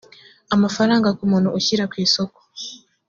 amafaranga ku muntu ushyira ku isoko